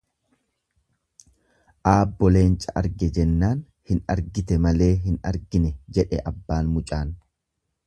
Aabbo leenca arge jennaan hin argite malee hin argine jedhe abbaan mucaan.